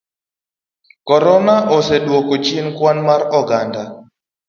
Korona oseduoko chien kwan mar oganda.